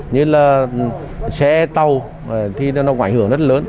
như là xe tàu thì nó ngoại hưởng rất lớn